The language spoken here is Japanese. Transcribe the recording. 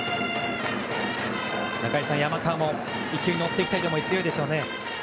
中居さん、山川も勢いに乗りたい思いが強いでしょうね。